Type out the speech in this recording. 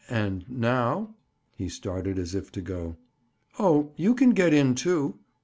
"And now—?" He started as if to go. "Oh, you can get in, too."